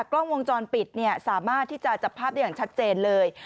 กล้องวงจรปิดสามารถที่จะจับภาพได้อย่างชัดเจนเลย